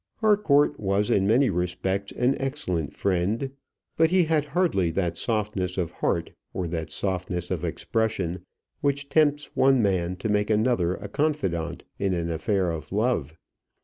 Harcourt was in many respects an excellent friend; but he had hardly that softness of heart, or that softness of expression which tempts one man to make another a confidant in an affair of love.